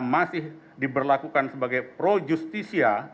masih diberlakukan sebagai pro justisia